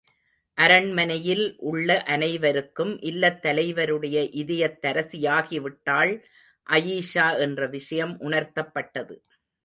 அரண்மனையில் உள்ள அனைவருக்கும் இல்லத்தலைவருடைய இதயத்தரசி யாகிவிட்டாள் அயீஷா என்ற விஷயம் உணர்த்தப்பட்டது.